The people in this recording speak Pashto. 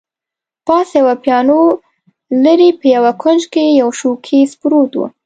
پاس یوه پیانو، لیري په یوه کونج کي یو شوکېز پروت وو.